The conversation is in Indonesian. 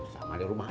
sama di rumah mak